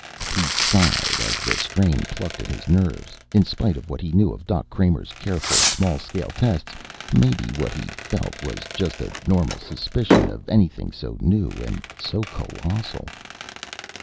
He sighed as the strain plucked at his nerves, in spite of what he knew of Doc Kramer's careful small scale tests. Maybe what he felt was just a normal suspicion of anything so new and so colossal.